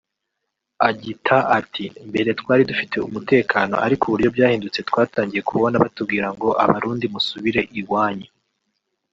Agita ati "Mbere twari dufite umutekano ariko uburyo byahindutse twatangiye kubona batubwira ngo ’Abarundi musubire iwanyu’